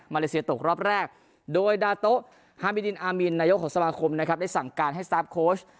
เลเซียตกรอบแรกโดยดาโต๊ะฮามิดินอามินนายกของสมาคมนะครับได้สั่งการให้สตาร์ฟโค้ช